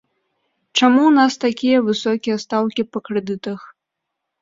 Чаму ў нас такія высокія стаўкі па крэдытах?